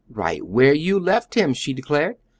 "Right where you left him," she declared.